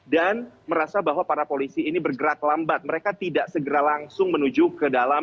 dan merasa bahwa para polisi ini bergerak lambat mereka tidak segera langsung menuju ke dalam